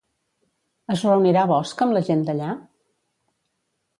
Es reunirà Bosch amb la gent d'allà?